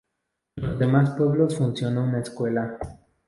En los demás pueblos funciona una escuela.